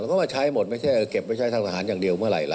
ก็มาใช้หมดไม่ใช่เก็บไว้ใช้ทางทหารอย่างเดียวเมื่อไหร่ล่ะ